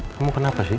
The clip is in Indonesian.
kamu kenapa sih